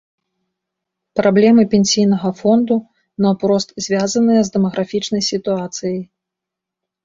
Праблемы пенсійнага фонду наўпрост звязаныя з дэмаграфічнай сітуацыяй.